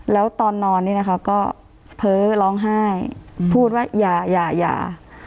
แล้วตอนนอนก็เพ้อร้องไห้พูดว่าอย่าอย่าอย่า